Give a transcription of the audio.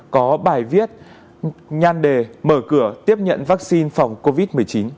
có bài viết nhan đề mở cửa tiếp nhận vaccine phòng covid một mươi chín